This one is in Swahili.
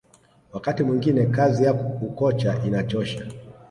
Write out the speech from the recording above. wakati mwingine kazi ya ukocha inachosha